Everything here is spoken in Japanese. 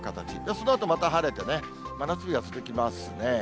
そのあとまた晴れて、真夏日が続きますね。